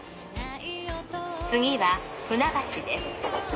次は船橋です。